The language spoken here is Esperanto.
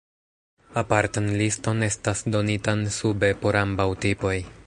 Apartan liston estas donitan sube por ambaŭ tipoj.